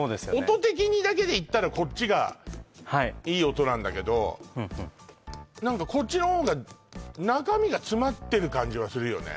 音的にだけで言ったらこっちがいい音なんだけどふんふん何かこっちの方が中身が詰まってる感じはするよね